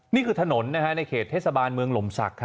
นี่คือถนนในเขตเทศบาลเมืองลมศก